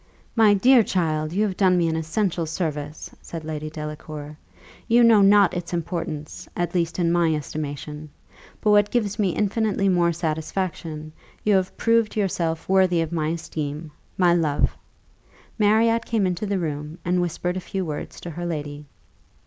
"My dear child, you have done me an essential service," said Lady Delacour: "you know not its importance, at least in my estimation. But what gives me infinitely more satisfaction, you have proved yourself worthy of my esteem my love." Marriott came into the room, and whispered a few words to her lady.